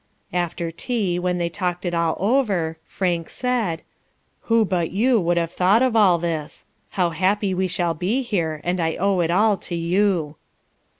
After tea, when they talked it all over, Frank said: "Who but you would have thought of all this? How happy we shall be here, and I owe it all to you!"